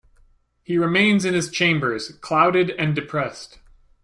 He remains in his chambers, clouded and depressed.